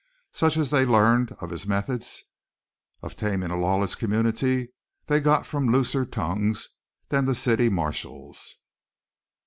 Such as they learned of his methods of taming a lawless community they got from looser tongues than the city marshal's.